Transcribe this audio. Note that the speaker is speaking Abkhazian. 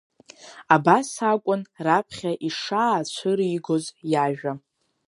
Абас акәын раԥхьа ишаацәыригоз иажәа.